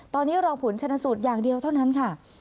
ตอนนี้รอผลชนะสูตรอย่างเดียวเท่านั้นค่ะ